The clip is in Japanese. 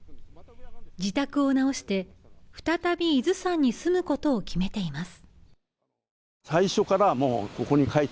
自宅を直して再び伊豆山に住むことを決めています。